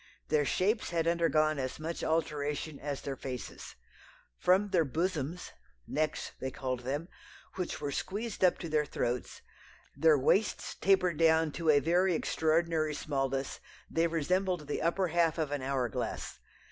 Their shapes had undergone as much alteration as their faces. From their bosoms (necks they called them), which were squeezed up to their throats, their waists tapered down to a very extraordinary smallness; they resembled the upper half of an hour glass.